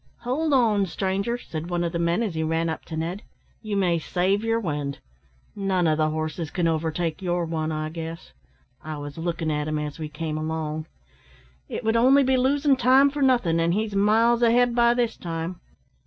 "Hold on, stranger," said one of the men, as he ran up to Ned, "ye may save yer wind. None o' the horses can overtake your one, I guess. I was lookin' at him as we came along. It would only be losin' time for nothin', an' he's miles ahead by this time."